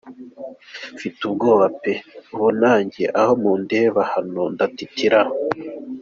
Mfite ubwoba pe, ubu nanjye aho mundeba hano ndatitira.